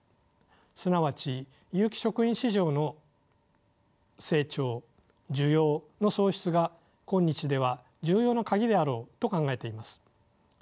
すなわち有機食品市場の成長需要の創出が今日では重要なカギであろうと考えています。